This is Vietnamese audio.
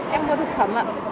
em mua thực phẩm ạ